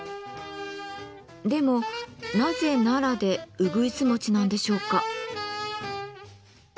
でもなぜ奈良でうぐいす餅なんでしょうか？